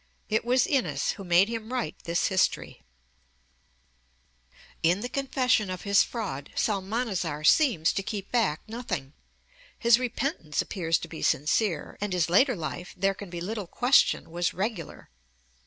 It was Innes who made him write this History. In the confession of his fraud Psalmanazar seems to keep back nothing. His repentance appears to be sincere, and his later life, there can be little question, was regular.